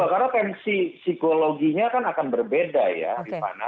betul karena pensi psikologinya akan berbeda ya